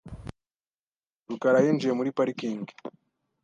rukara yinjiye muri parikingi .